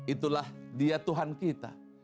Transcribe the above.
itulah dia tuhan kita